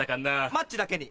マッチだけに。